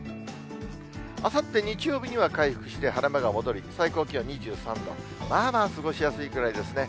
あさって日曜日には回復して晴れ間が戻り、最高気温２３度、まあまあ過ごしやすいくらいですね。